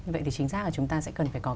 vậy thì chính xác là chúng ta sẽ cần phải có